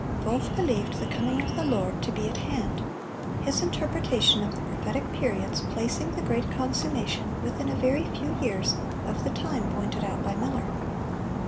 "(597) Wolff believed the coming of the Lord to be at hand, his interpretation of the prophetic periods placing the great consummation within a very few years of the time pointed out by Miller.